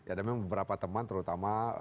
ada memang beberapa teman terutama